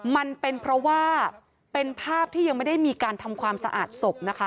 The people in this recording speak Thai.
มันเป็นเพราะว่าเป็นภาพที่ยังไม่ได้มีการทำความสะอาดศพนะคะ